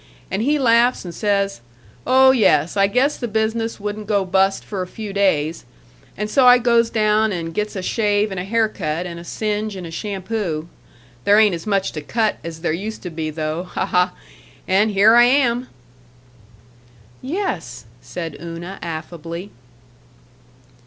and he laughs and says, 'Oh yes, I guess the business wouldn't go bust for a few days,' and so I goes down and gets a shave and a hair cut and a singe and a shampoo there ain't as much to cut as there used to be, though ha, ha! and here I am." "Yes!" said Una affably....